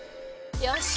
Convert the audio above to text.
よし。